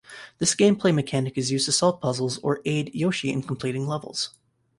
This gameplay mechanic is used to solve puzzles or aid Yoshi in completing levels.